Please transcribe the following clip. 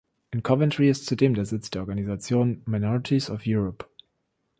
In Coventry ist zudem der Sitz der Organisation „Minorities of Europe“.